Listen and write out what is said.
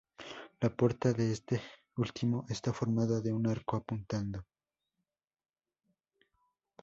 La puerta de este último está formada de un arco apuntado.